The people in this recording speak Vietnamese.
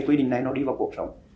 quy định này nó đi vào cuộc sống